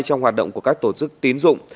trong hoạt động của các tổ chức tín dụng